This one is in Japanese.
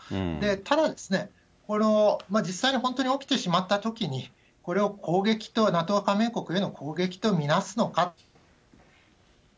ただですね、実際に本当に起きてしまったときに、これを攻撃と、ＮＡＴＯ加盟国への攻撃と見なすのか。